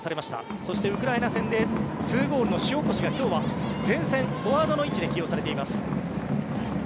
そしてウクライナ戦で２ゴールの塩越が今日は前線、フォワードの位置で起用されています。